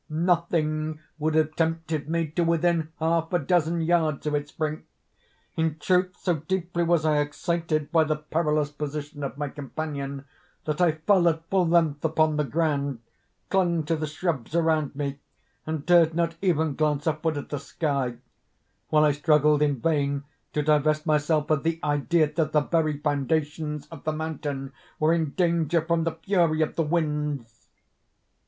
Nothing would have tempted me to within half a dozen yards of its brink. In truth so deeply was I excited by the perilous position of my companion, that I fell at full length upon the ground, clung to the shrubs around me, and dared not even glance upward at the sky—while I struggled in vain to divest myself of the idea that the very foundations of the mountain were in danger from the fury of the winds.